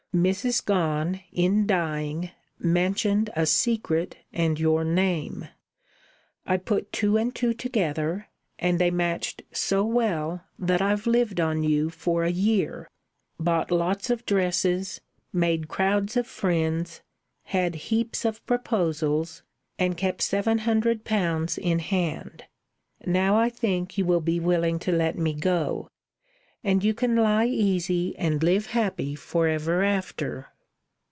Mrs. Gone, in dying, mentioned a secret and your name. I put two and two together, and they matched so well that I've lived on you for a year, bought lots of dresses, made crowds of friends, had heaps of proposals, and kept seven hundred pounds in hand. Now I think you will be willing to let me go; and you can lie easy and live happy for ever after."